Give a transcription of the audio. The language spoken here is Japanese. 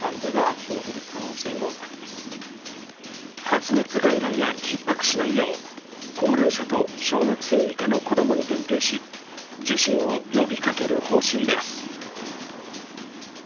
発熱外来がひっ迫しないよう、高齢者と小学生以下の子供に限定し、受診を呼びかける方針です。